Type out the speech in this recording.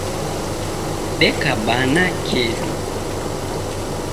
deka bana kedu